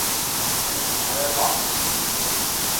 대박!